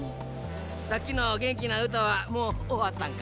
さっきのげんきなうたはもうおわったんか？